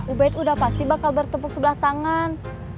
ubed udah pasti bakal bertepuk sebelah tangan